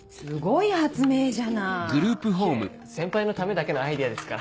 いえ先輩のためだけのアイデアですから。